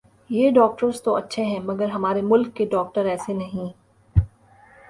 یہ ڈاکٹرز تو اچھے ھیں مگر ھمارے ملک کے ڈاکٹر ایسے نہیں ھیں